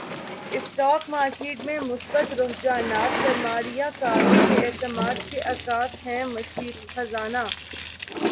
stock market میں مثبت رجحانات سرماریہ کاروں کے اعتماد کے عکاس ہیں مشیر خزانہ